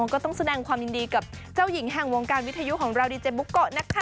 ก็ต้องแสดงความยินดีกับเจ้าหญิงแห่งวงการวิทยุของเราดีเจบุโกะนะคะ